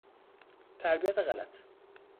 تربیت غلط